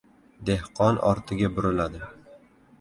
Dehqon ortiga buriladi.